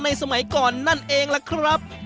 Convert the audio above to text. สมัยก่อนนั่นเองล่ะครับ